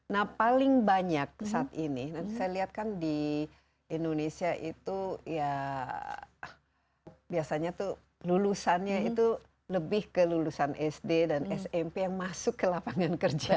nah paling banyak saat ini dan saya lihat kan di indonesia itu ya biasanya tuh lulusannya itu lebih ke lulusan sd dan smp yang masuk ke lapangan kerja